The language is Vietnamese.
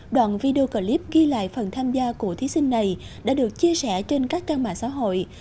đoạn video clip ghi lại phần tham gia của thí sinh này đã được chia sẻ trên các trang mạng xã hội